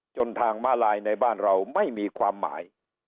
จนทางมาลายในบ้านเราไม่มีความหมาย